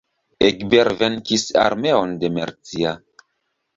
Egbert venkis armeon de Mercia.